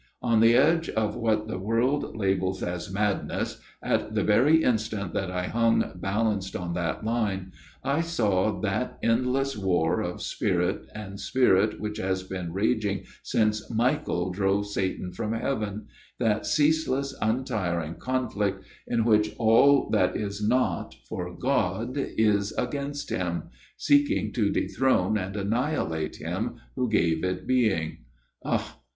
On the edge of what the world labels as madness, at the very instant that I hung balanced on that line, I saw that endless war of spirit and 134 A MIRROR OF SHALOTT spirit which has been raging since Michael drove Satan from heaven that ceaseless untiring conflict in which all that is not for God is against Him, seeking to dethrone and annihilate Him who gave it being. Ah